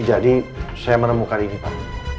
jadi saya menemukan ini pak